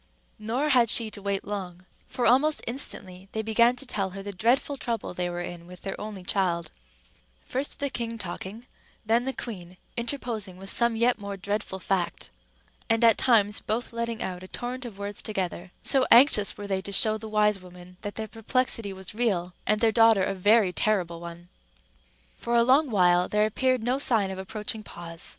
Nor had she to wait long, for almost instantly they began to tell her the dreadful trouble they were in with their only child; first the king talking, then the queen interposing with some yet more dreadful fact, and at times both letting out a torrent of words together, so anxious were they to show the wise woman that their perplexity was real, and their daughter a very terrible one. For a long while there appeared no sign of approaching pause.